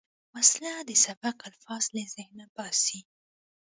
وسله د سبق الفاظ له ذهنه باسي